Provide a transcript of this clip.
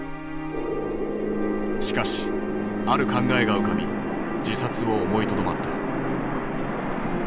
しかしある考えが浮かび自殺を思いとどまった。